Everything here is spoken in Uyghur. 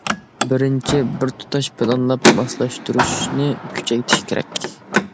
بىرىنچى، بىرتۇتاش پىلانلاپ ماسلاشتۇرۇشنى كۈچەيتىش كېرەك.